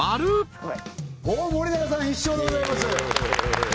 森永さん１勝でございますイエーイ！